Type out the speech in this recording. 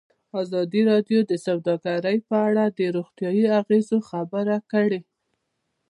ازادي راډیو د سوداګري په اړه د روغتیایي اغېزو خبره کړې.